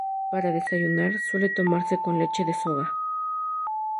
Para desayunar, suele tomarse con leche de soja.